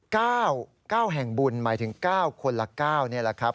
ก้าวแห่งบุญหมายถึงก้าวคนละก้าวนี่แหละครับ